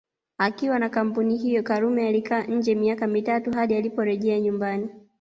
Akiwa na kampuni hiyo Karume alikaa nje miaka mitatu hadi aliporejea nyumbani